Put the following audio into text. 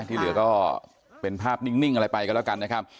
ที่เหลือก็เป็นภาพนิ่งอะไรไปกันแล้วกันนะครับ